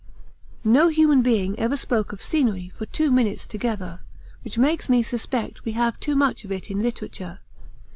'No human being ever spoke of scenery for two minutes together, which makes me suspect we have too much of it in literature.